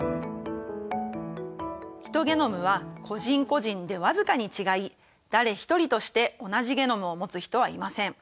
ヒトゲノムは個人個人で僅かに違い誰ひとりとして同じゲノムを持つ人はいません。